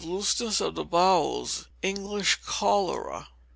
Looseness of the Bowels (English Cholera).